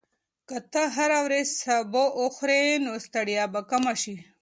که ته هره ورځ سبو وخورې، نو ستړیا به کمه شي.